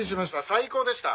最高でした。